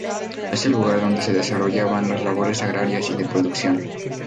Es el lugar donde se desarrollaban las labores agrarias y de producción.